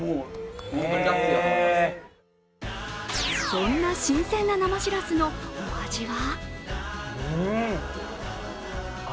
そんな新鮮な生しらすのお味は？